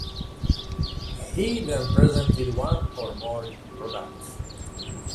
He then presented one or more new products.